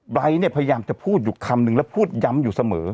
ไร้เนี่ยพยายามจะพูดอยู่คำนึงแล้วพูดย้ำอยู่เสมอ